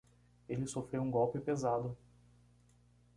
Ele sofreu um golpe pesado